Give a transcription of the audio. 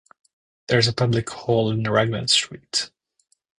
There is a public hall in Raglan Street.